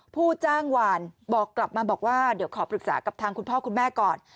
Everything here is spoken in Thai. ผู้จ้างหวานบอกกลับมาบอกว่าเดี๋ยวขอปรึกษากับทางคุณพ่อคุณแม่ก่อน